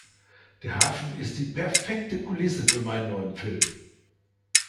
Der Hafen ist die perfekte Kulisse für meinen neuen Film.